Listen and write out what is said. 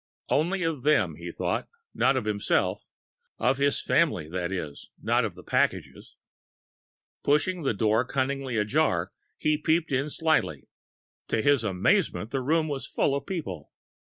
Only of them he thought, not of himself of his family, that is, not of the packages. Pushing the door cunningly ajar, he peeped in slyly. To his amazement, the room was full of people!